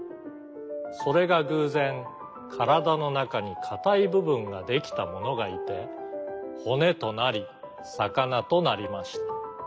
それがぐうぜんからだのなかにかたいぶぶんができたものがいてほねとなりさかなとなりました。